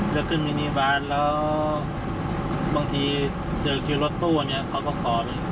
เรียกขึ้นมินิบัสแล้วบางทีเจอกินรถตู้เขาก็ขอ